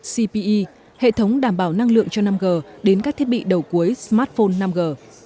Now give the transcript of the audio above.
cpe hệ thống đảm bảo năng lượng cho năm g đến các thiết bị đầu cuối smartphone năm g